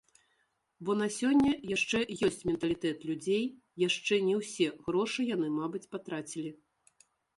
Бо на сёння яшчэ ёсць менталітэт людзей, яшчэ не ўсе грошы яны, мабыць, патрацілі.